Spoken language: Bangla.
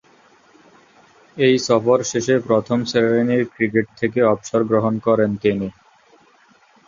এ সফর শেষে প্রথম-শ্রেণীর ক্রিকেট থেকে অবসরগ্রহণ করেন তিনি।